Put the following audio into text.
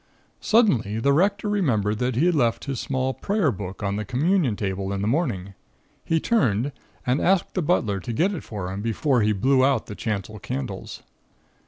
"Suddenly, the Rector remembered that he had left his small prayer book on the Communion table in the morning; he turned, and asked the butler to get it for him before he blew out the chancel candles.